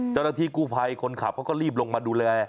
เจ้าหน้าที่กู้ภัยคนขับเขาก็รีบลงมาดูแล